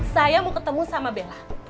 saya mau ketemu sama bella